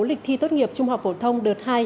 lịch thi tốt nghiệp trung học phổ thông đợt hai